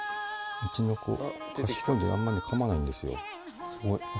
うちの子賢いんであんまね噛まないんですよ。